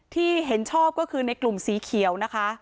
ที่เห็นชอบก็คือในกลุ่มสีเขียวนะคะ